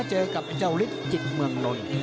เจอกับเจ้าฤทธิจิตเมืองนนท์